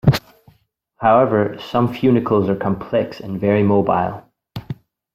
However, some funicles are complex and very mobile.